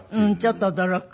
ちょっと驚く。